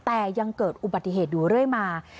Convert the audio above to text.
แต่ยังเกิดอุบัติเหตุอยู่เรื่อยมา